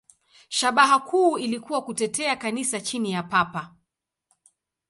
Shabaha kuu ilikuwa kutetea Kanisa chini ya Papa.